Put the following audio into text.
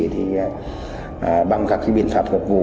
thì bằng các biện pháp vụ